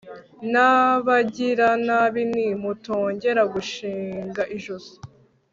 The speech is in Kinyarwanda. n'abagiranabi nti 'mutongera gushinga ijosi